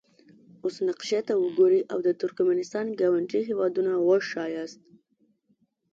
اوس نقشې ته وګورئ او د ترکمنستان ګاونډي هیوادونه وښایاست.